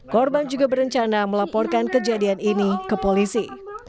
korban juga berencana melaporkan kejadian ini ke polisi